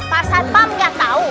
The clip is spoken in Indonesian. pak satpam nggak tahu